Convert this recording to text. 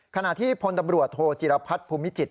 ขณะที่พลตำรวจโทจิรพัฒน์ภูมิจิต